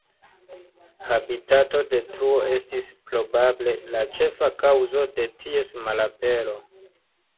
Habitatodetruo estis probable la ĉefa kaŭzo de ties malapero.